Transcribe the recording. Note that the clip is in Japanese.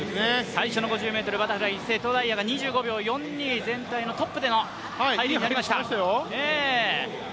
最初の５０ｍのターン、瀬戸が２５秒４２全体のトップでのいい入りになりました。